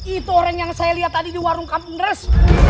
itu orang yang saya lihat tadi di warung kamres